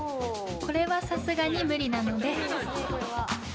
これはさすがに無理なので。